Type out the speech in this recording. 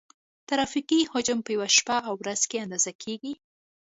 ترافیکي حجم په یوه شپه او ورځ کې اندازه کیږي